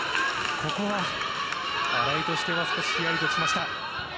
ここは新井としては少しひやりとしました。